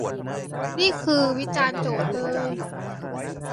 นี่คือวิจารณ์โจทย์เลย